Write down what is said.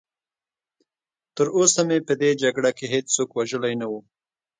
تراوسه مې په دې جګړه کې هېڅوک وژلی نه و.